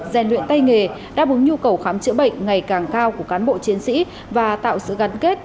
gian luyện tay nghề đáp ứng nhu cầu khám chữa bệnh ngày càng cao của cán bộ chiến sĩ và tạo sự gắn kết